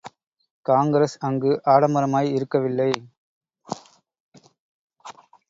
காங்கிரஸ் அங்கு ஆடம்பரமாய் இருக்கவில்லை.